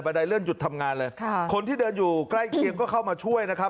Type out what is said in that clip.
ไดเลื่อนหยุดทำงานเลยค่ะคนที่เดินอยู่ใกล้เคียงก็เข้ามาช่วยนะครับ